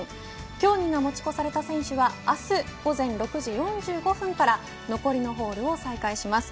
競技が持ち越された選手は明日午前６時４５分から残りのホールを再開します。